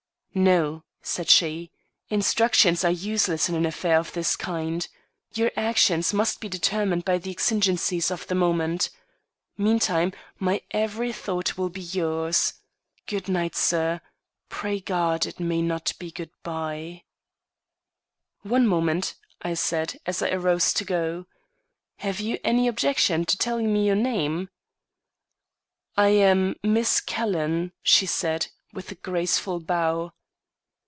"No," said she; "instructions are useless in an affair of this kind. Your actions must be determined by the exigencies of the moment. Meantime, my every thought will be yours. Good night, sir; pray God, it may not be good by." "One moment," I said, as I arose to go. "Have you any objection to telling me your name?" "I am Miss Calhoun," she said, with a graceful bow.